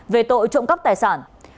về tội trộm cấp tài sản